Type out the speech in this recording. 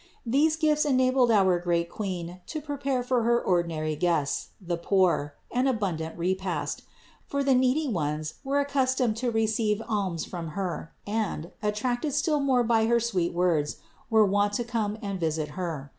These gifts enabled our great Queen to prepare for her ordinary guests, the poor, an abundant repast; for the needy ones were accustomed to receive alms from Her, and, attracted still more by her sweet words, were wont to come and visit Her.